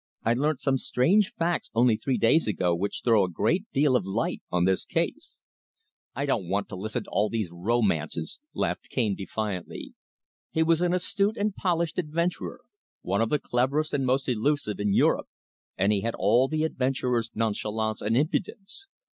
"I learnt some strange facts only three days ago which throw a great deal of light on this case." "I don't want to listen to all these romances," laughed Cane defiantly. He was an astute and polished adventurer, one of the cleverest and most elusive in Europe, and he had all the adventurer's nonchalance and impudence.